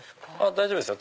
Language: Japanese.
大丈夫ですよ。